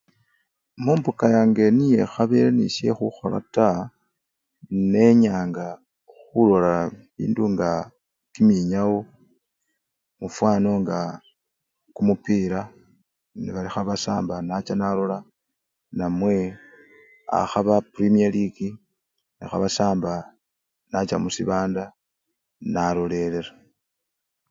Mumbuka yange niye ekhabele nesyekhukhola taa, nenyanga khulola bindu nga kiminyawo mufano nga kumupira niobalikhaba samba nacha nalola namwe akhaba primiya ligi nekhabasamba nacha musibanda nalolelela.